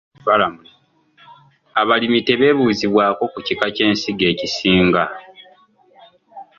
Abalimi tebeebuuzibwako ku kika ky'ensigo ekisinga.